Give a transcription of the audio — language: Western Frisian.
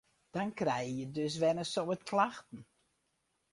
Dan krije je dus wer in soad klachten.